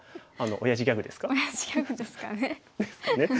おやじギャグですかね。